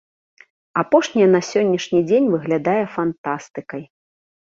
Апошняе на сённяшні дзень выглядае фантастыкай.